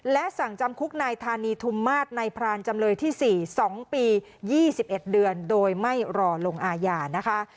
และสั่งจำคุกนายธานีธุมมาตรนายพรานจำเลยที่๔๒ปี๒๑เดือนโดยไม่รอลงอาญานะคะ